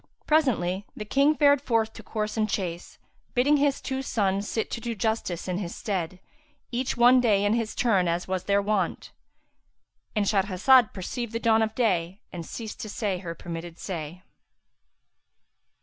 Presently, the King fared forth to course and chase, bidding his two sons sit to do justice in his stead, each one day in turn as was their wont.—And Shahrazad perceived the dawn of day and ceased to say her permitted say.